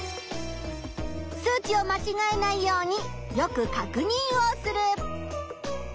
数値を間違えないようによく確認をする。